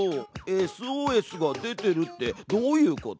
ＳＯＳが出てるってどういうこと？